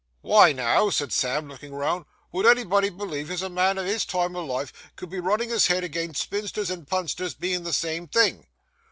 'Wy now,' said Sam, looking round, 'would anybody believe as a man at his time o' life could be running his head agin spinsters and punsters being the same thing?